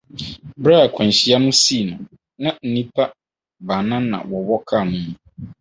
Bere a akwanhyia no sii no, na nnipa baanan na wɔwɔ kar no mu.